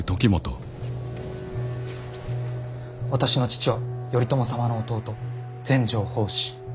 私の父は頼朝様の弟全成法師。